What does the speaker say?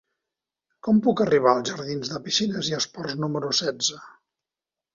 Com puc arribar als jardins de Piscines i Esports número setze?